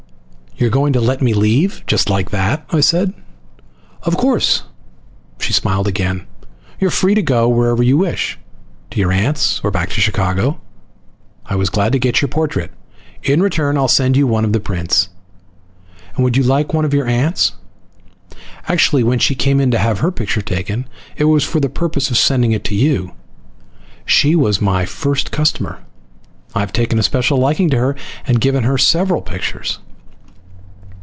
"You're going to let me leave? Just like that?" I said. "Of course." She smiled again. "You're free to go wherever you wish, to your aunt's or back to Chicago. I was glad to get your portrait. In return, I'll send you one of the prints. And would you like one of your aunt's? Actually, when she came in to have her picture taken it was for the purpose of sending it to you. She was my first customer. I've taken a special liking to her and given her several pictures."